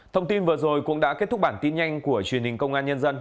thông tin vừa rồi cũng đã kết thúc bản tin nhanh của truyền hình công an nhân dân